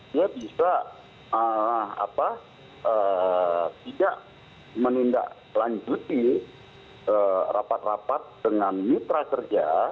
dia bisa tidak menindaklanjuti rapat rapat dengan mitra kerja